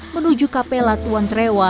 menuju kapela tuan trewa